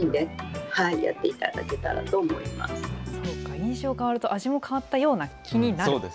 印象変わると味も変わったような気になる。